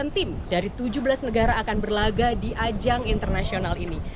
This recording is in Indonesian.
delapan tim dari tujuh belas negara akan berlaga di ajang internasional ini